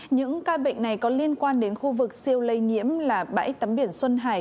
những ca bệnh này có liên quan đến khu vực siêu lây nhiễm là bãi tắm biển xuân hải